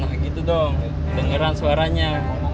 ya gitu dong dengeran suaranya